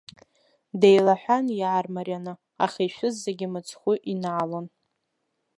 Деилаҳәан иаармарианы, аха ишәыз зегьы мыцхәы инаалон.